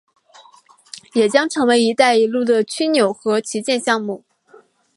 也将成为一带一路的枢纽和旗舰项目。